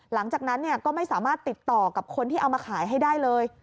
หลังจากนั้นก็ไม่สามารถติดต่อกับคนที่เอามาขายให้ได้เลย